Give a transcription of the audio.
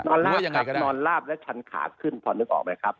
ลาบยังไงนอนลาบและชันขาขึ้นพอนึกออกไหมครับ